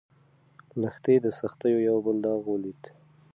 لښتې د سختیو یو بل داغ ولید.